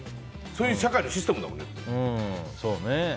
そういう社会のシステムだもんね。